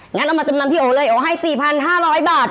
งั้นเอามาจำนำที่โอเลยโอให้๔๕๐๐บาท